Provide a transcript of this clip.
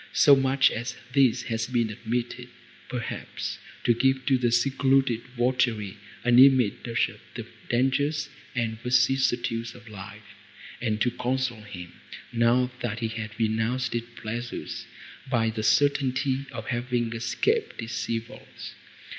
So much as this had been admitted, perhaps, to give to the secluded votary an image of the dangers and vicissitudes of life, and to console him, now that he had renounced its pleasures, by the certainty of having escaped its evils.